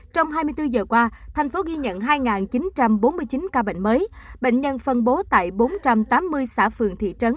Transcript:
trong hai mươi bốn giờ qua thành phố ghi nhận hai chín trăm bốn mươi chín ca bệnh mới bệnh nhân phân bố tại bốn trăm tám mươi xã phường thị trấn